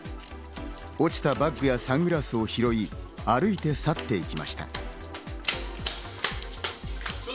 落ちたバッグやサングラスを拾い、歩いて去っていきました。